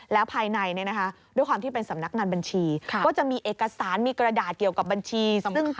แล้วภายในด้วยความที่เป็นสำนักงานบัญชีก็จะมีเอกสารมีกระดาษเกี่ยวกับบัญชี